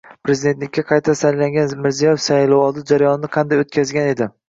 Prezidentlikka qayta saylangan Mirziyoyev saylovoldi jarayonni qanday o‘tkazgan edi?